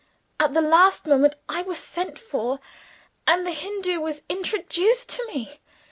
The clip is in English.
At the last moment I was sent for, and the Hindoo was introduced to me.